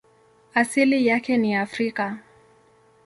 Asili yake ni Afrika.